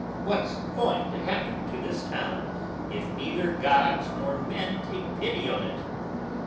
What's going to happen to this town, if neither gods nor men take pity on it?